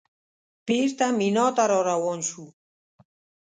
بېرته مینا ته راروان شوو.